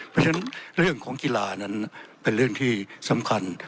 เพราะฉะนั้นเรื่องของกีฬานั้นเป็นเรื่องที่สำคัญ